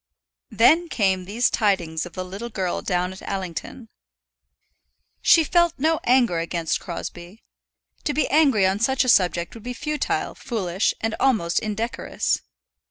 Then came these tidings of the little girl down at Allington. She felt no anger against Crosbie. To be angry on such a subject would be futile, foolish, and almost indecorous.